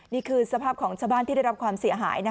นี่คือสภาพของชาวบ้านที่ได้รับความเสียหาย